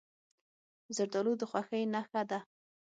زردالو د خوښۍ نښه ده.